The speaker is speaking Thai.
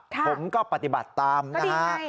ผมก็ปฏิบัติตามนะฮะ